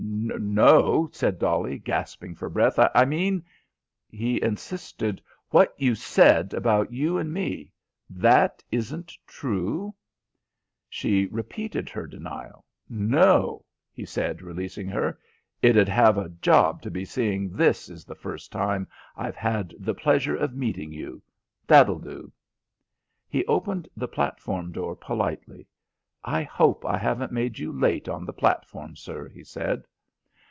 "No," said Dolly, gasping for breath. "I mean " he insisted, "what you said about you and me. That isn't true?" She repeated her denial. "No," he said, releasing her, "it 'ud have a job to be seeing this is the first time I've had the pleasure of meeting you. That'll do." He opened the platform door politely. "I hope I haven't made you late on the platform, sir," he said.